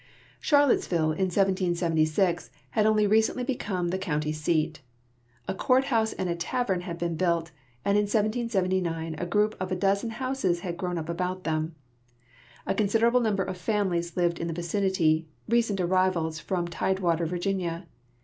Charlottesville in 1776 had only recently become the county seat. A court house and a tavern had been built, and in 1779 a group of a dozen houses had grown up about them. A con siderable number of families lived in the vicinity, recent arrivals from tidewater Virginia.